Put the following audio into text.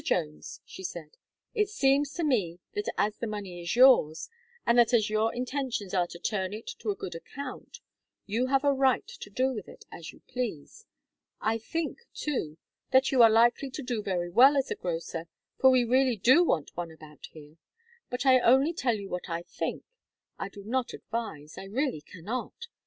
Jones," she said, "it seems to me that as the money is yours, and that as your intentions are to turn it to a good account, you have a right to do with it as you please. I think, too, that you are likely to do very well as a grocer, for we really do want one about here. But I only tell you what I think. I do not advise. I really cannot.